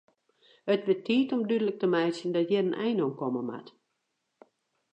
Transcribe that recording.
It wurdt tiid om dúdlik te meitsjen dat hjir in ein oan komme moat.